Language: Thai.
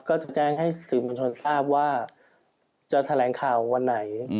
ก็จะแจ้งให้สื่อมวลชนทราบว่าจะแถลงข่าววันไหน